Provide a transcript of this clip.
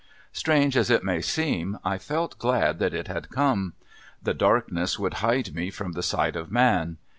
Strange as it may seem I felt glad that it had come. The darkness would hide me from the sight of man.